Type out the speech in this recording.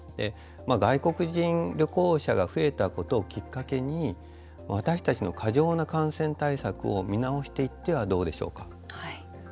外国人旅行者が増えたことをきっかけに私たちの過剰な感染対策を見直していってはどうでしょうか。